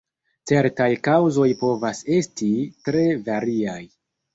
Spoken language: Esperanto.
Certaj kaŭzoj povas esti tre variaj.